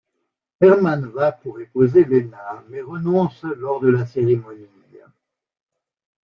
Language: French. Herman va pour épouser Lena mais renonce lors de la cérémonie.